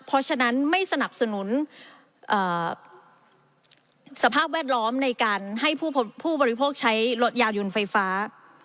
เพราะฉะนั้นไม่สนับสนุนสภาพแวดล้อมในการให้ผู้บริโภคใช้รถยาวยนต์ไฟฟ้า